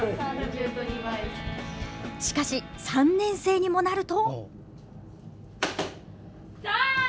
しかし、３年生にもなると。